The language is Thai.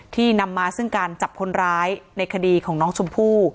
นำมาซึ่งการจับคนร้ายในคดีของน้องชมพู่